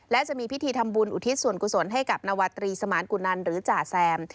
และจะมีพิธีทำบุญอุทิศส่วนกุศลให้กับนวตรีสมานกุนันหรือจ่าแซม